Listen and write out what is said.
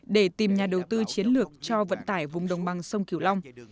để tìm nhà đầu tư chiến lược cho vận tải vùng đồng bằng sông kiều long